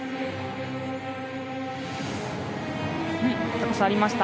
高さありました。